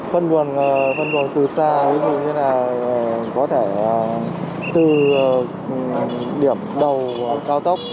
phân buồn từ xa ví dụ như là có thể từ điểm đầu cao tốc